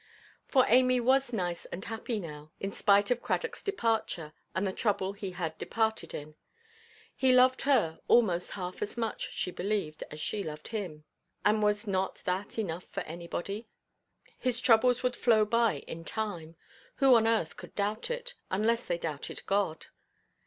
For Amy was nice and happy now, in spite of Cradockʼs departure, and the trouble he had departed in. He loved her almost half as much, she believed, as she loved him; and was not that enough for anybody? His troubles would flow by in time; who on earth could doubt it, unless they doubted God?